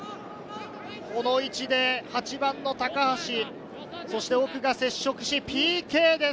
この位置で８番の高橋、そして奥が接触し、ＰＫです。